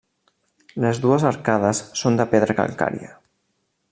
Les dues arcades són de pedra calcària.